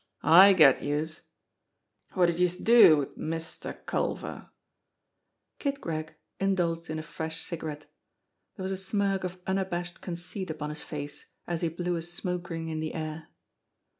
I get youse ! Wot did youse do wid Mister Culver ?" Kid Gregg indulged in a fresh cigarette. There was a smirk of unabashed conceit upon his face, as he blew a smoke ring in the air.